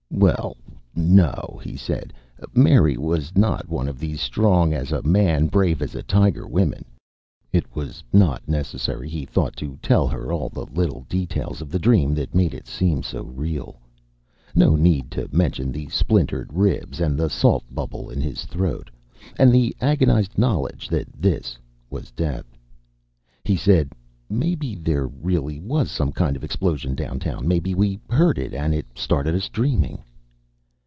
"Well, no," he said. Mary was not one of these strong as a man, brave as a tiger women. It was not necessary, he thought, to tell her all the little details of the dream that made it seem so real. No need to mention the splintered ribs, and the salt bubble in his throat, and the agonized knowledge that this was death. He said, "Maybe there really was some kind of explosion downtown. Maybe we heard it and it started us dreaming."